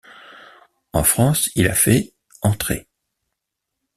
En France, il a fait entrées.